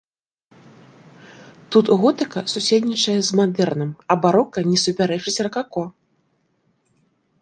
Тут готыка суседнічае з мадэрнам, а барока не супярэчыць ракако.